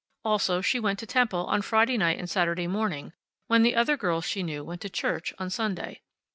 Also, she went to temple on Friday night and Saturday morning, when the other girls she knew went to church on Sunday.